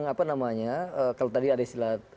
apa namanya kalau tadi ada istilah